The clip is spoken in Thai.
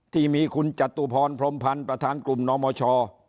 ที่มีคุณจตุพรพรมพันธ์ประธานกลุ่มนมช